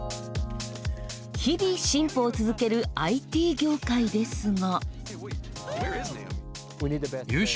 日々進歩を続けるＩＴ業界ですが。